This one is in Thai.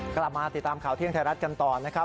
กลับมาติดตามข่าวเที่ยงไทยรัฐกันต่อนะครับ